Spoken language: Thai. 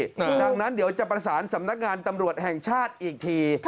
ดังนั้นเดี๋ยวจะประสานสำนักงานตำรวจแห่งชาติอีกที